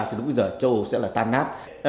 thì lúc bây giờ châu sẽ là tan nát